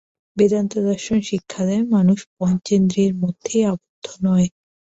বেদান্তদর্শন শিক্ষা দেয়, মানুষ পঞ্চেন্দ্রিয়ের মধ্যেই আবদ্ধ নয়।